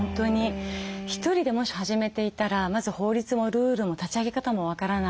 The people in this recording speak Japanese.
１人でもし始めていたらまず法律もルールも立ち上げ方も分からない。